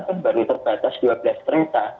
kan baru terbatas dua belas kereta